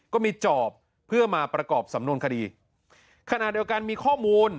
ก็มีจอบเพื่อมาประกอบสำนวนคดีขณะเดียวกันมีข้อมูล